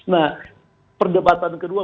nah perdebatan kedua